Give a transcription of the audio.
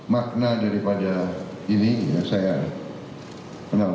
makna daripada ini yang saya kenal